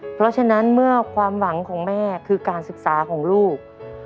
เพราะฉะนั้นเมื่อความหวังของแม่คือการศึกษาของลูก